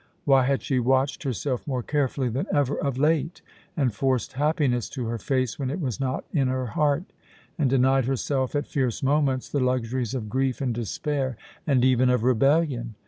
Why had she watched herself more carefully than ever of late, and forced happiness to her face when it was not in her heart, and denied herself, at fierce moments, the luxuries of grief and despair, and even of rebellion?